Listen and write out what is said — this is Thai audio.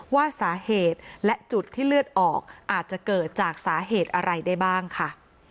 ว่าสาเหตุและจุดที่เลือดออกอาจจะเกิดจากสาเหตุอะไรได้บ้างค่ะ